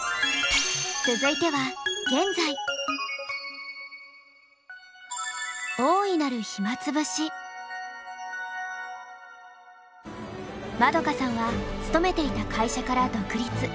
続いては円さんは勤めていた会社から独立。